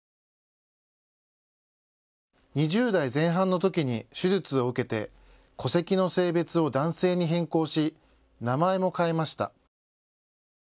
２０代前半のときに手術を受けて戸籍の性別を男性に変更し名前も変えました。